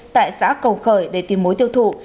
tại xã cầu khởi để tìm mối tiêu thụ